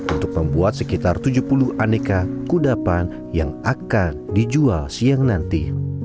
untuk membuat sekitar tujuh puluh aneka kudapan yang akan dijual siang nanti